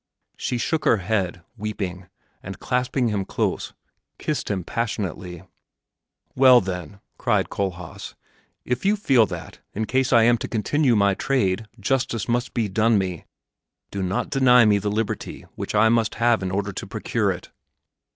She shook her head, weeping, and, clasping him close, kissed him passionately. "Well, then," cried Kohlhaas, "if you feel that, in case I am to continue my trade, justice must be done me, do not deny me the liberty which I must have in order to procure it!"